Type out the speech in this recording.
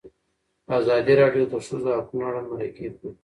ازادي راډیو د د ښځو حقونه اړوند مرکې کړي.